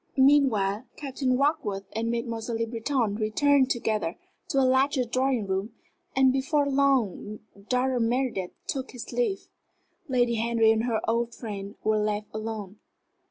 Meanwhile, Captain Warkworth and Mademoiselle Le Breton returned together to the larger drawing room, and before long Dr. Meredith took his leave. Lady Henry and her old friend were left alone.